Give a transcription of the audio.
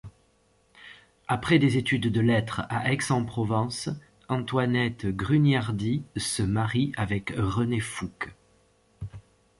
Après des études de lettres à Aix-en-Provence, Antoinette Grugnardi se marie avec René Fouque.